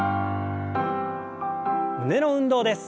胸の運動です。